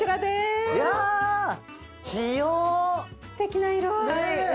すてきな色合い。